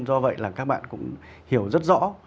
do vậy là các bạn cũng hiểu rất rõ